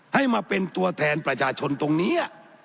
ให้มาเป็นตัวแทนประชาชนตรงนี้